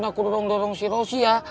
aku dorong dorong si rosia